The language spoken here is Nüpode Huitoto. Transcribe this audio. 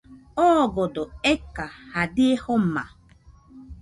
Ogodona eka baie joma